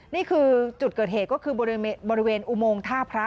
นี่คือจุดเกิดเหตุก็คือบริเวณอุโมงท่าพระ